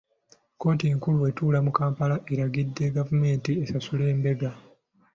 Kkooti enkulu etuula mu Kampala eragidde gavumenti esasule mbega.